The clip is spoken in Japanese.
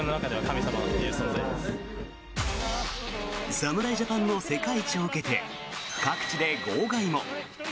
侍ジャパンの世界一を受けて各地で号外も。